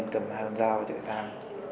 cầm hai con dao chạy sang